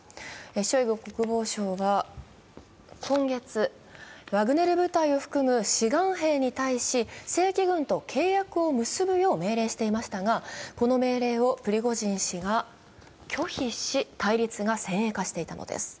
ショイグ国防相は今月、ワグネル部隊を含む志願兵に対し、正規軍と契約を結ぶよう命令していましたがこの命令をプリゴジン氏が拒否し対立が先鋭化していたのです。